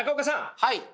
はい。